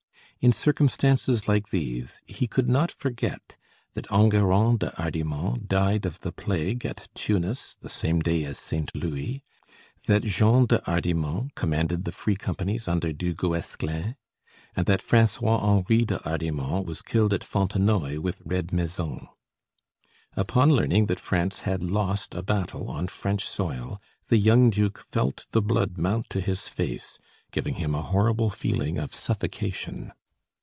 In circumstances like these, he could not forget that Enguerrand de Hardimont died of the plague at Tunis the same day as Saint Louis, that Jean de Hardimont commanded the Free Companies under Du Guesclin, and that Francois Henri de Hardimont was killed at Fontenoy with "Red" Maison. Upon learning that France had lost a battle on French soil, the young duke felt the blood mount to his face, giving him a horrible feeling of suffocation.